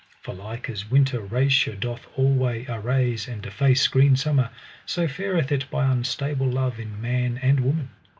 For like as winter rasure doth alway arase and deface green summer, so fareth it by unstable love in man and woman.